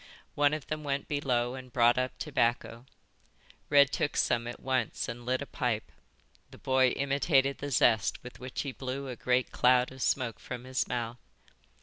One of them went below and brought up tobacco. Red took some at once and lit a pipe. The boy imitated the zest with which he blew a great cloud of smoke from his mouth.